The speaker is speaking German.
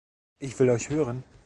Ich will euch hören!